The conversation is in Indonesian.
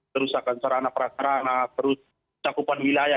kerusakan sarana perasarana terus cakupan wilayah